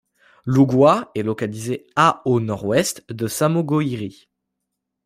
Lougoua est localisé à au nord-ouest de Samogohiri.